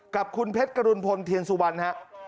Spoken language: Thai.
กับคุณเพชรกรุณพลเทียนสุวรรณฮะ